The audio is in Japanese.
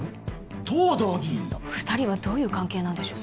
藤堂議員だ２人はどういう関係なんでしょう